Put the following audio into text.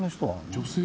女性？